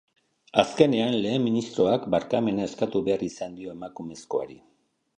Azkenean, lehen ministroak barkamena eskatu behar izan dio emakumezkoari.